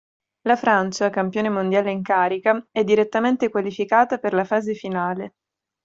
La Francia, campione mondiale in carica, è direttamente qualificata per la fase finale.